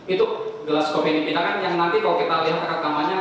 itu gelas kopi yang dipindahkan yang nanti kalau kita lihat rekamannya